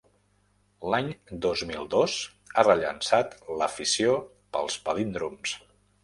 L'any dos mil dos ha rellançat l'afició pels palíndroms.